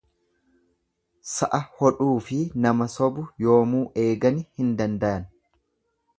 Sa'a hodhuufi nama sobu yoomuu eegani hin dandayan.